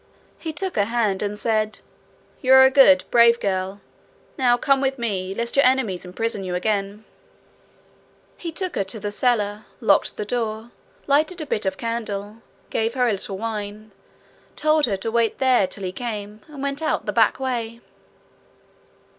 He took her hand, and said, 'You are a good, brave girl. Now come with me, lest your enemies imprison you again.' He took her to the cellar, locked the door, lighted a bit of candle, gave her a little wine, told her to wait there till he came, and went out the back way.